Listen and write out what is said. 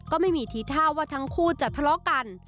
ก็ไม่มีทีท่าว่าทั้งคู่จะทะเลาะกัน